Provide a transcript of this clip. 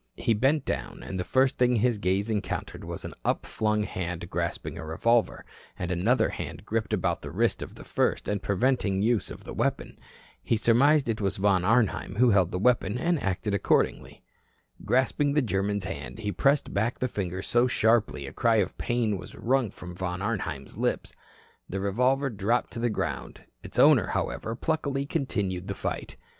He bent down, and the first thing his gaze encountered was an upflung hand grasping a revolver, and another hand gripped about the wrist of the first and preventing use of the weapon. He surmised it was Von Arnheim who held the weapon, and acted accordingly. Grasping the German's hand, he pressed back the fingers so sharply a cry of pain was wrung from Von Arnheim's lip. The revolver dropped to the ground. Its owner, however, pluckily continued the fight.